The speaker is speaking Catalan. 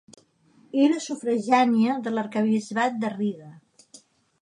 Era sufragània de l'arquebisbat de Riga.